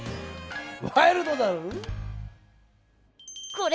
ワイルドだろぉ？